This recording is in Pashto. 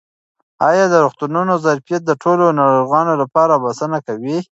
آیا د روغتونونو ظرفیت د ټولو ناروغانو لپاره بسنه کوي؟